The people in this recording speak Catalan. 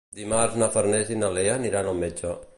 Dimarts na Farners i na Lea aniran al metge.